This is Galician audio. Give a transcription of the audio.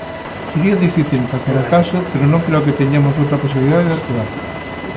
Sería difícil en calquera caso, pero non creo que teñamos outra posibilidade de actuar.